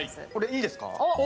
いいですか？